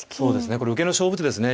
これ受けの勝負手ですね。